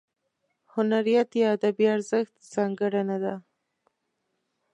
هنریت یا ادبي ارزښت ځانګړنه ده.